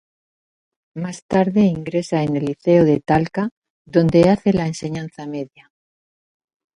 Más tarde ingresa en el Liceo de Talca, donde hace la enseñanza media.